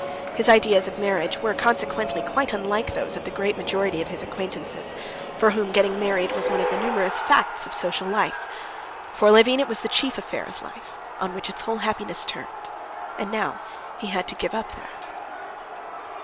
His ideas of marriage were, consequently, quite unlike those of the great majority of his acquaintances, for whom getting married was one of the numerous facts of social life. For Levin it was the chief affair of life, on which its whole happiness turned. And now he had to give up that.